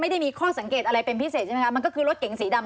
ไม่ได้มีข้อสังเกตอะไรเป็นพิเศษใช่ไหมคะมันก็คือรถเก๋งสีดำ